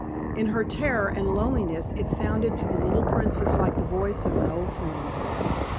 In her terror and loneliness it sounded to the little Princess like the voice of an old friend.